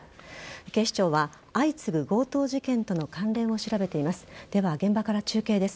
警視庁は相次ぐ強盗事件との関連を調べています。